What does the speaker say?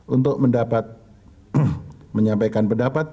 untuk mendapatkan menyampaikan pendapat